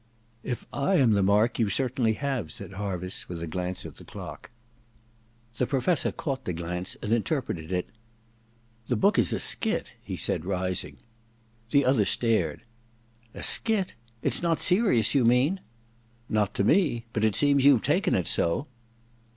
* If I am the mark, you certainly have,' said Harviss, with a glance at the clock. The Professor caught the glance and inter preted it. 'The book is a skit,' he said, rising. The other stared. * A skit } It's not serious, you mean ?'* Not to me — ^but it seems you've taken it so.'